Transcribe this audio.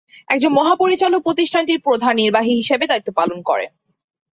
একজন মহাপরিচালক প্রতিষ্ঠানটির প্রধান নির্বাহী হিসেবে দায়িত্ব পালন করেন।